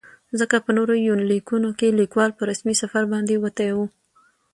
ځکه په نورو يونليکونو کې ليکوال په رسمي سفر باندې وتى و.